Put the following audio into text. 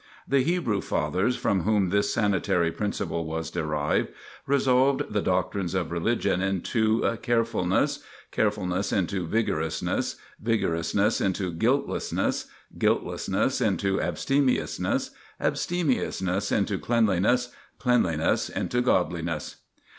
The Hebrew Fathers, from whom this sanitary principle was derived, resolved the doctrines of religion into "Carefulness; Carefulness into Vigorousness; Vigorousness into Guiltlessness; Guiltlessness into Abstemiousness; Abstemiousness into Cleanliness; Cleanliness into Godliness."